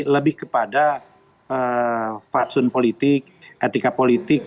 lebih kepada fatsun politik etika politik